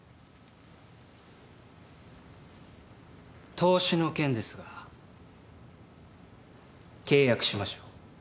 投資の件ですが契約しましょう。